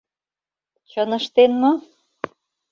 Чын ыштен мо?